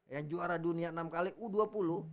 ya juara dunia enam kali u dua puluh